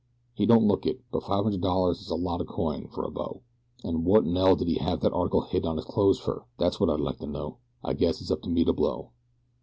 "He don't look it; but five hundred dollars is a lot o' coin fer a bo, and wotinell did he have that article hid in his clothes fer? That's wot I'd like to know. I guess it's up to me to blow."